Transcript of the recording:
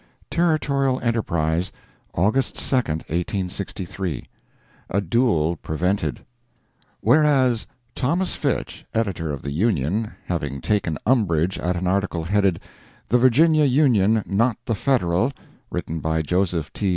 Territorial Enterprise, August 2, 1863 A DUEL PREVENTED WHEREAS, Thomas Fitch, editor of the Union, having taken umbrage at an article headed "The Virginia Union—not the Federal," written by Joseph T.